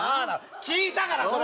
聴いたからそれ！